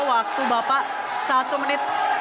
waktu bapak satu menit